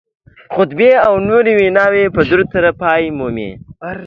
خطبې او نورې ویناوې په درود سره پای مومي